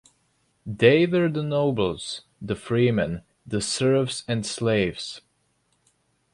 They were the nobles, the freemen, the serfs and slaves.